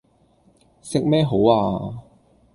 食咩好啊